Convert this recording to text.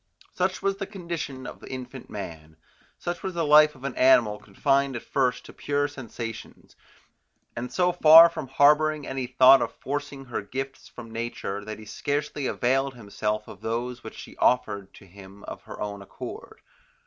Such was the condition of infant man; such was the life of an animal confined at first to pure sensations, and so far from harbouring any thought of forcing her gifts from nature, that he scarcely availed himself of those which she offered to him of her own accord.